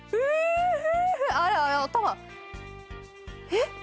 えっ？